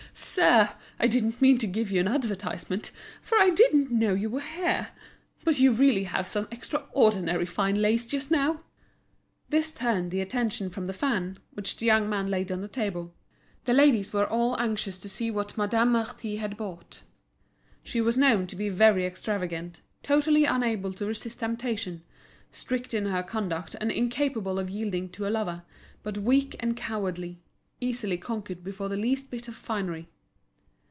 sir, I didn't mean to give you an advertisement, for I didn't know you were here. But you really have some extraordinary fine lace just now." This turned the attention from the fan, which the young man laid on the table. The ladies were all anxious to see what Madame Marty had bought. She was known to be very extravagant, totally unable to resist temptation, strict in her conduct and incapable of yielding to a lover, but weak and cowardly, easily conquered before the least bit of finery.